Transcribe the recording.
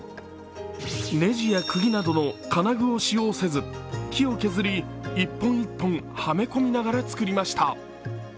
ネジや釘などの金具を使用せず木を削り、１本１本はめ込みながら作りました。